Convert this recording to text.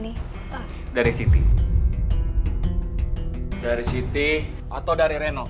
yaudah yuk kita pergi yuk